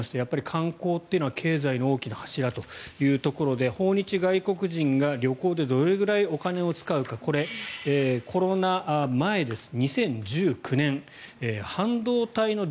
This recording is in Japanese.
観光というのは経済の大きな柱というところで訪日外国人が旅行でどれぐらいお金を使うかこれ、コロナ前です。